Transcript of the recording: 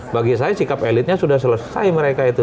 bagi saya sikap elitnya sudah selesai mereka itu